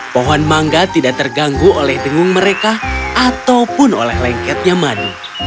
pohon mangga tidak terganggu oleh dengung mereka ataupun oleh lengketnya madu